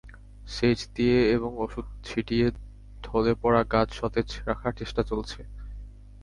সেচ দিয়ে এবং ওষুধ ছিটিয়ে ঢলে পড়া গাছ সতেজ রাখার চেষ্টা চলছে।